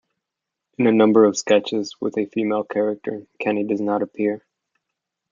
In a number of sketches with a female character, Kenney does not appear.